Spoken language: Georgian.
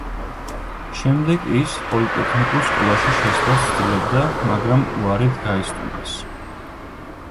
შემდეგ ის პოლიტექნიკურ სკოლაში შესვლას ცდილობდა, მაგრამ უარით გაისტუმრეს.